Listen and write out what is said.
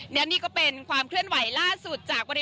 ไม่อนุญาตให้ผ่านเข้าไป